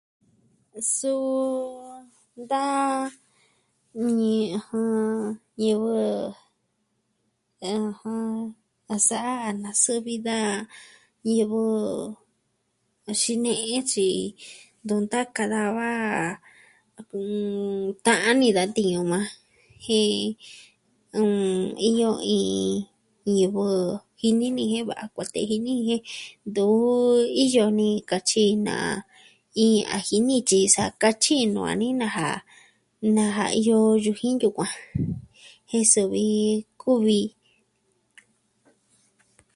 Suu da ñivɨ a sa'a na suvi da ñivɨ xine'e tyi ntu taka da va, ta'an ni da tiñu maa maa jen, iyo iin ñivɨ jini ni jen va'a kuatee jini jin jen ntu iyo ni katyi naja iyo yu jin yukuan jen suvi kuvi...